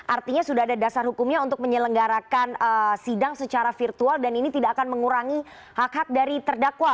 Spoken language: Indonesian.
artinya sudah ada dasar hukumnya untuk menyelenggarakan sidang secara virtual dan ini tidak akan mengurangi hak hak dari terdakwa